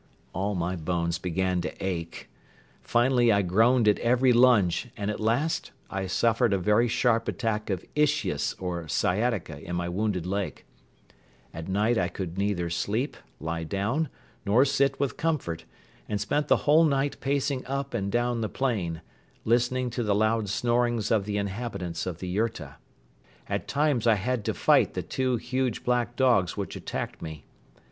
All my bones began to ache. Finally I groaned at every lunge and at last I suffered a very sharp attack of ischias or sciatica in my wounded leg. At night I could neither sleep, lie down nor sit with comfort and spent the whole night pacing up and down the plain, listening to the loud snoring of the inhabitants of the yurta. At times I had to fight the two huge black dogs which attacked me.